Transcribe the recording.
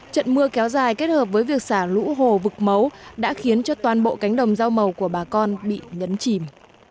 trận mưa kéo dài kết hợp với việc xả lũ hồ vực mấu đã khiến cho toàn bộ cánh đồng rau màu của bà con bị nhấn chìm